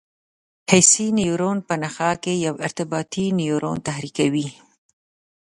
حسي نیورون په نخاع کې یو ارتباطي نیورون تحریکوي.